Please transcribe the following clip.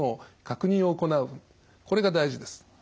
これが大事です。